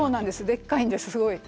でっかいんですすごい。